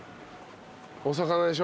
お魚でしょ？